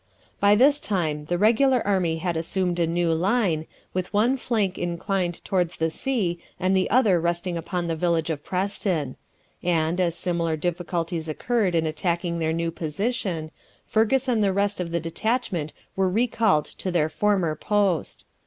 By this time the regular army had assumed a new line, with one flank inclined towards the sea and the other resting upon the village of Preston; and, as similar difficulties occurred in attacking their new position, Fergus and the rest of the detachment were recalled to their former post.